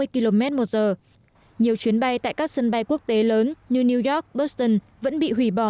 ba mươi km một giờ nhiều chuyến bay tại các sân bay quốc tế lớn như new york buston vẫn bị hủy bỏ